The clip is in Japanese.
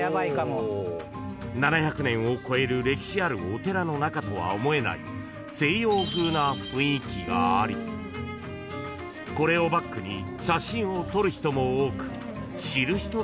［７００年を超える歴史あるお寺の中とは思えない西洋風な雰囲気がありこれをバックに写真を撮る人も多く］